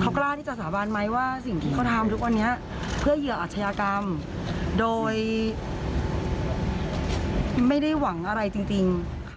เขากล้าที่จะสาบานไหมว่าสิ่งที่เขาทำทุกวันนี้เพื่อเหยื่ออาชญากรรมโดยไม่ได้หวังอะไรจริง